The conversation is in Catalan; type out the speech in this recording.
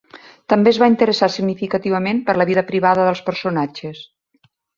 També es va interessar significativament per la vida privada dels personatges.